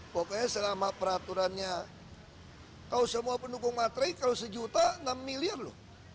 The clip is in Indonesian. pokoknya selama peraturannya kalau semua pendukung matre kalau sejuta enam miliar loh